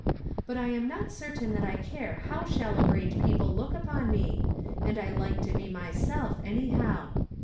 But I am not certain that I care how shallow brained people look upon me, and I like to be myself, anyhow.